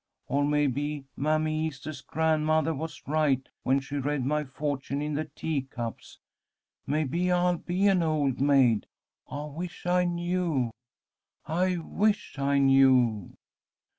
Or, maybe Mammy Easter's grandmothah was right when she read my fortune in the teacups. Maybe I'll be an old maid. I wish I knew. I wish I knew!"